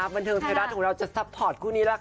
บันเทิงไทยรัฐของเราจะซัพพอร์ตคู่นี้ล่ะค่ะ